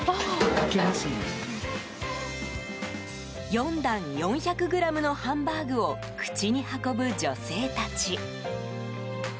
４段、４００ｇのハンバーグを口に運ぶ女性たち。